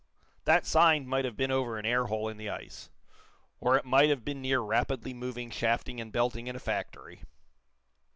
That sign might have been over an air hole in the ice; or it might have been near rapidly moving shafting and belting in a factory.